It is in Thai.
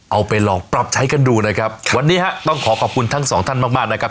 เอาไปลองปรับใช้กันดูนะครับวันนี้ฮะต้องขอขอบคุณทั้งสองท่านมากมากนะครับ